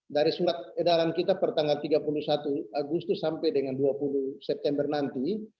dari surat edaran kita pertanggal tiga puluh satu agustus sampai dengan dua puluh september nanti